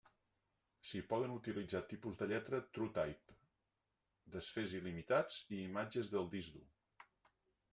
S'hi poden utilitzar tipus de lletra TrueType, desfés il·limitats i imatges del disc dur.